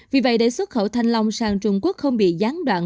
vì vậy để xuất khẩu thành lòng sang trung quốc không bị gián đoạn